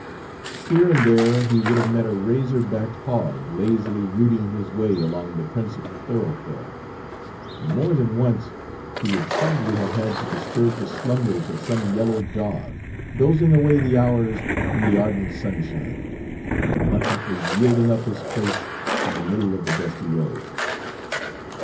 Here and there he would have met a razor backed hog lazily rooting his way along the principal thoroughfare; and more than once be would probably have had to disturb the slumbers of some yellow dog, dozing away the hours in the ardent sunshine, and reluctantly yielding up his place in the middle of the dusty road.